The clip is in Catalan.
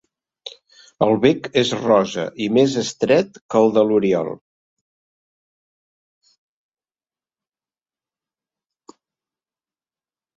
El bec és rosa i més estret que el de l'oriol.